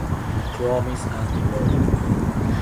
Promise and law.